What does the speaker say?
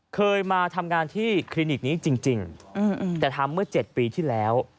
เคยมาทำงานที่คลินิกนี้จริงแต่ทำเมื่อ๗ปีที่แล้ว